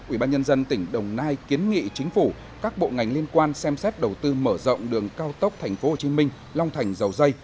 ubnd tỉnh đồng nai kiến nghị chính phủ các bộ ngành liên quan xem xét đầu tư mở rộng đường cao tốc tp hcm long thành dầu dây